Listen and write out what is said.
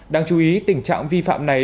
đáng chú ý tình trạng vi phạm này